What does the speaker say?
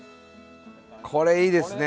これいいですね。